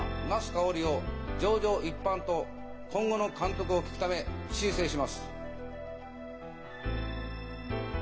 茄子佳織を情状一般と今後の監督を聞くため申請します。